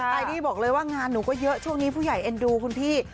ไอดี้บอกเลยว่างานหนูก็เยอะช่วงนี้ผู้ใหญ่เอ็นดูคุณพี่